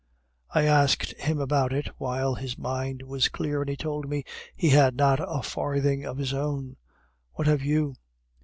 I asked him about it while his mind was clear, and he told me he had not a farthing of his own. What have you?"